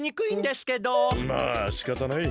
まあしかたない。